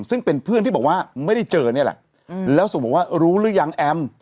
ซึ่งเป็นเพื่อนที่บอกว่าไม่ได้เจอนี่แหละแล้วส่งบอกว่ารู้หรือยังแอม